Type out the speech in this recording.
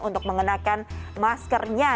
untuk menggunakan maskernya